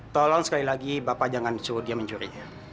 tolong sekali lagi bapak jangan suruh dia mencuri